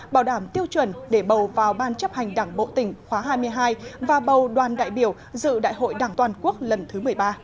bảo đảm tiêu chuẩn để bầu vào ban chấp hành đảng bộ tỉnh khóa hai mươi hai và bầu đoàn đại biểu dự đại hội đảng toàn quốc lần thứ một mươi ba